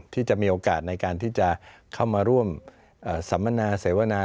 ที่จะมีโอกาสในการที่จะเข้ามาร่วมสัมมนาเสวนา